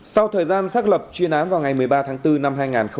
sau thời gian xác lập chuyên án vào ngày một mươi ba tháng bốn năm hai nghìn hai mươi